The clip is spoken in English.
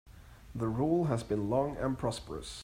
The rule has been long and prosperous.